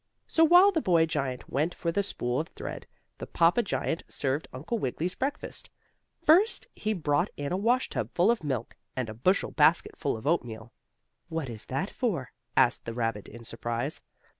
So while the boy giant went for the spool of thread, the papa giant served Uncle Wiggily's breakfast. First he brought in a washtub full of milk and a bushel basket full of oatmeal. "What is that for?" asked the rabbit in surprise.